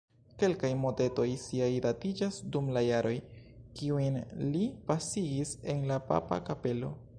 Kelkaj motetoj siaj datiĝas dum la jaroj, kiujn li pasigis en la papa kapelo.